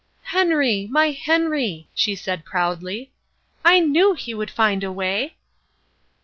"Henry, my Henry," she said proudly, "I knew he would find a way."